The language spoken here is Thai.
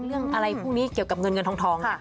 เรื่องอะไรพวกนี้เกี่ยวกับเงินเงินทอง